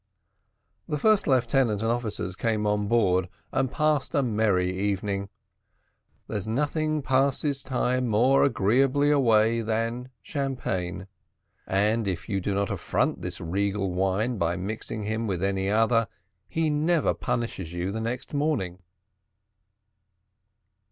The first lieutenant and officers came on board, and passed a merry evening. There's nothing passes time more agreeably away than champagne, and if you do not affront this regal wine by mixing him with any other, he never punishes you next morning.